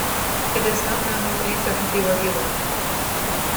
It is not known with any certainty where he lived.